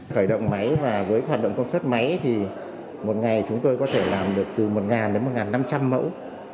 khởi động máy và với hoạt động công suất máy thì một ngày chúng tôi có thể làm được từ một đến một năm trăm linh mẫu